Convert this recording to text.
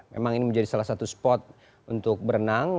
memang ini menjadi salah satu spot untuk berenang